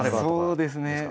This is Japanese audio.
「そうですね。